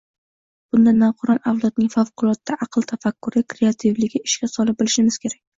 Bunda navqiron avlodning favqulodda aql-tafakkuri, kreativligini ishga sola bilishimiz kerak.